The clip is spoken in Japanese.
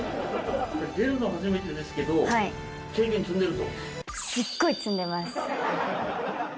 出るの初めてですけど、すっごい積んでます。